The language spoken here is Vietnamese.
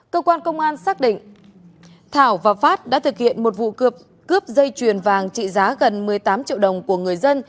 cơ quan công an xác định thảo và phát đã thực hiện một vụ cướp dây chuyền vàng trị giá gần một mươi tám triệu đồng của người dân